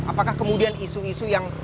apakah kemudian isu isu yang